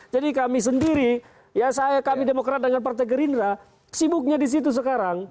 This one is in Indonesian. jadi kami sendiri ya saya kami demokrat dengan partai gerindra sibuknya disitu sekarang